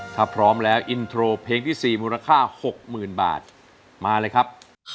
ถ้าพร้อมแล้วอินโทรเพลงที่๔มูลค่า๖๐๐๐บาทมาเลยครับ